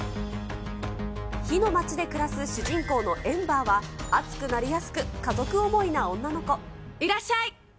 火の街で暮らす主人公のエンバーは熱くなりやすく、家族思いな女いらっしゃい。